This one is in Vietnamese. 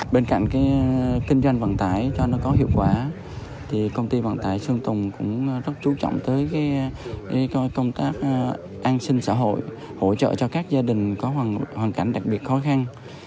bên cạnh kinh doanh vận tải cho nó có hiệu quả thì công ty vận tải xuân tùng cũng rất chú trọng tới công tác an sinh xã hội hỗ trợ cho các gia đình có hoàn cảnh đặc biệt khó khăn